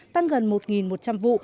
tăng gần một một trăm linh vụ